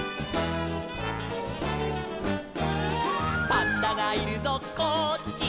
「パンダがいるぞこっちだ」